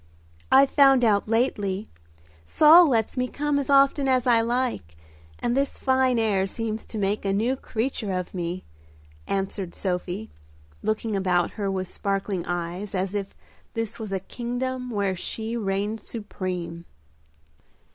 "I've found out lately; Saul lets me come as often as I like, and this fine air seems to make a new creature of me," answered Sophie, looking about her with sparkling eyes, as if this was a kingdom where she reigned supreme.